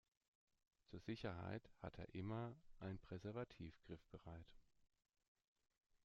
Zur Sicherheit hat er immer ein Präservativ griffbereit.